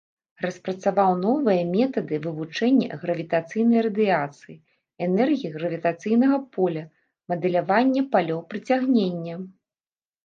Распрацаваў новыя метады вывучэння гравітацыйнай радыяцыі, энергіі гравітацыйнага поля, мадэлявання палёў прыцягнення.